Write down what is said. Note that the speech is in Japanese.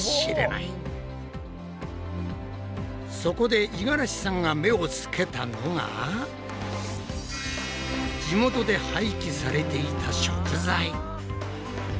そこで五十嵐さんが目をつけたのが地元で廃棄されていた食材！